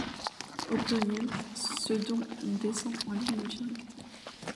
Au pluriel, ceux dont on descend en ligne directe.